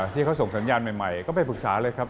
ที่เขาส่งสัญญาณใหม่ก็ไปปรึกษาเลยครับ